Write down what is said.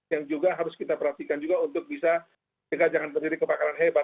yang juga harus kita perhatikan juga untuk bisa jangan terjadi kebakaran hebat